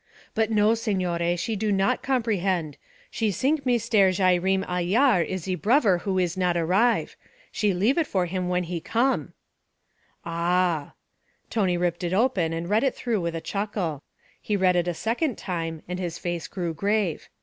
'But no, signore, she do not comprehend. She sink Meestair Jayreem Ailyar is ze brover who is not arrive. She leave it for him when he come.' 'Ah!' Tony ripped it open and read it through with a chuckle. He read it a second time and his face grew grave.